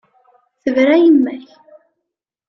Tebra yemma-k.